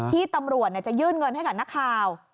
ที่ตำรวจจะยื่นเงินให้กับนักข่าว